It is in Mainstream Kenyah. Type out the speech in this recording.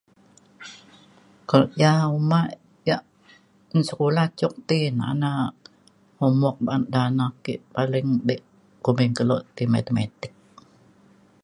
kerja uma yak un sekula cuk ti na ina na homework ba’an da anak ke paling be kumbin kelo ti Matematik